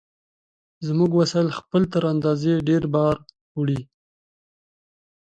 زموږ وسایل خپل تر اندازې ډېر بار وړي.